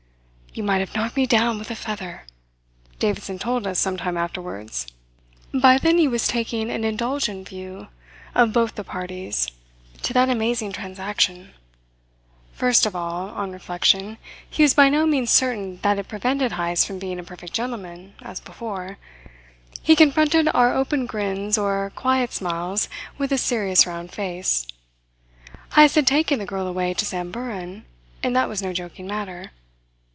"You might have knocked me down with a feather," Davidson told us some time afterwards. By then he was taking an indulgent view of both the parties to that amazing transaction. First of all, on reflection, he was by no means certain that it prevented Heyst from being a perfect gentleman, as before. He confronted our open grins or quiet smiles with a serious round face. Heyst had taken the girl away to Samburan; and that was no joking matter.